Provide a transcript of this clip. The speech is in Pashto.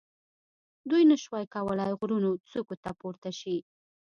دوی نه شوای کولای غرونو څوکو ته پورته شي.